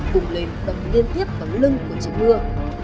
vùng lên bấm liên tiếp bấm lưng của trị mưa